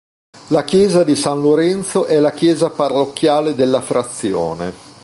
La chiesa di San Lorenzo è la chiesa parrocchiale della frazione.